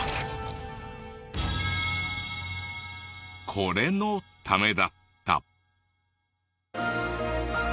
これのためだった。